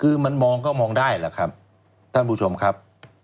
คือมันมองก็มองได้แหละครับท่านผู้ชมครับ